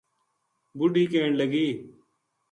بڈھی کہن لگی